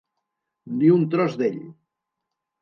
Ni un tros d'ell.